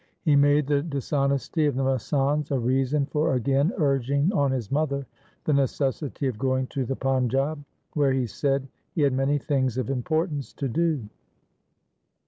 He made the dishonesty of the masands a reason for again urging on his mother the necessity of going to the Panjab where he said he had many things of import ance to do.